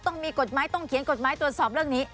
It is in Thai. ต้องมีกฎหมายต้องเขียนกฎหมายตรวจสอบเรื่องนี้